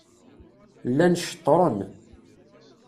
Llan ceṭṛen.